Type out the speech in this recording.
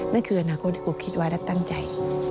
นั่นคืออนาคตที่ครูคิดไว้และตั้งใจ